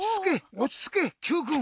おちつけＱくん！